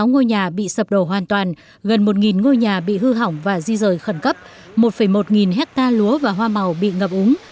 một trăm sáu mươi sáu ngôi nhà bị sập đổ hoàn toàn gần một ngôi nhà bị hư hỏng và di rời khẩn cấp một một nghìn hectare lúa và hoa màu bị ngập úng